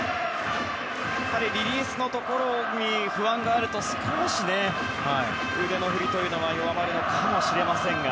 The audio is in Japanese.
リリースのところに不安があると少し、腕の振りというのは弱まるのかもしれませんが。